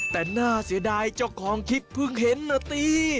แต่น่าเสียดายเจ้าของคลิปเพิ่งเห็นนะตี